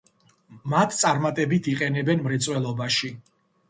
მათ წარმატებით იყენებენ მრეწველობაში.